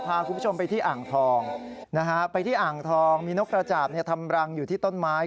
พาคุณผู้ชมไปที่อ่างทองนะฮะไปที่อ่างทองมีนกกระจาบทำรังอยู่ที่ต้นไม้